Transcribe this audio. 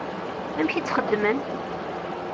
Amek i tt-xeddmen?